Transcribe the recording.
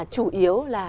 chủ yếu là